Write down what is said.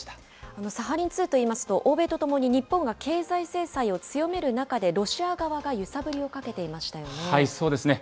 このサハリン２といいますと、欧米とともに日本が経済制裁を強める中で、ロシア側が揺さぶりをかけていましたよね。